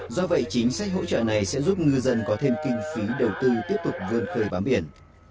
do vậy chính sách hỗ trợ này sẽ giúp ngư dân có thêm kinh phí đầu tư tiếp tục vươn khơi bám biển